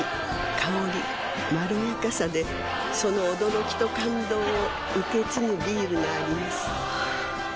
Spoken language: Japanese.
香りまろやかさでその驚きと感動を受け継ぐビールがあります